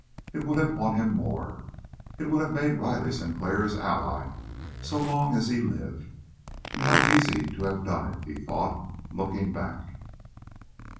It would have won him more. It would have made Riley Sinclair his ally so long as he lived. And how easy to have done it, he thought, looking back.